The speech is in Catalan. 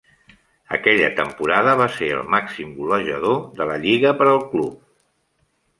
Aquella temporada va ser el màxim golejador de la lliga per al club.